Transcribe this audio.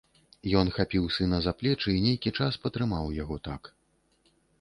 Ён хапіў сына за плечы і нейкі час патрымаў яго так.